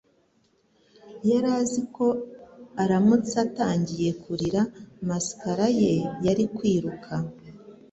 Yari azi ko aramutse atangiye kurira mascara ye yari kwiruka.